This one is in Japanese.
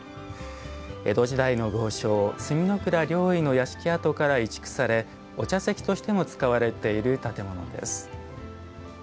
江戸時代の豪商、角倉了以の屋敷跡から移築されお茶席としても使われている建物です。